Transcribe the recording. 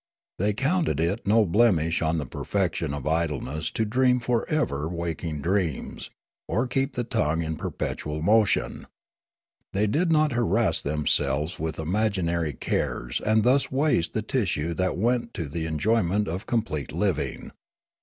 The}' counted it no blemish on the perfection of idleness to dream for ever waking dreams or keep the tongue in perpetual motion. They did not harass themselv^es with imagin ary cares and thus waste the tissue that went to the enjoyment of complete living.